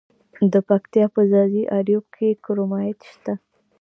د پکتیا په ځاځي اریوب کې کرومایټ شته.